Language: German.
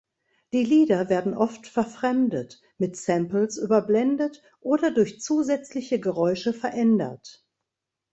Die Lieder werden oft verfremdet, mit Samples überblendet oder durch zusätzliche Geräusche verändert.